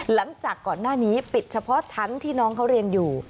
หลังจากก่อนหน้านี้ปิดเฉพาะชั้นที่น้องเขาเรียนอยู่